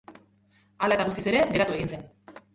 Hala eta guztiz ere, geratu egin zen.